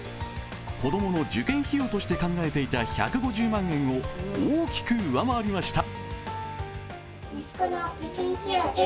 子供の受験費用として考えていた１５０万円を大きく上回りました。